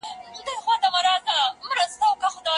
ایا د غنمو د تورو اوړو ډوډۍ هضم کي اسانه ده؟